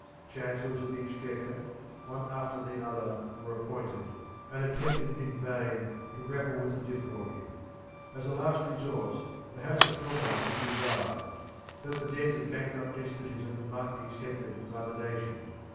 Chancellors of the Exchequer one after, the other were appointed, and attempted in vain to grapple with the difficulty. As a last resource, the House of Commons was revived, that the debt of bankrupt despotism might be accepted by the nation.